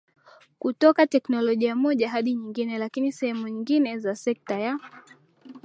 kutoka teknolojia moja hadi nyingine lakini sehemu nyingine za sekta ya